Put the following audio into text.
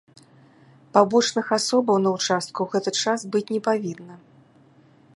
Пабочных асобаў на ўчастку ў гэты час быць не павінна.